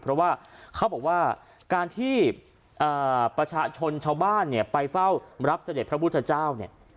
เพราะว่าเขาบอกว่าการที่ประชาชนชาวบ้านเนี่ยไปเฝ้ารับเสด็จพระพุทธเจ้าเนี่ย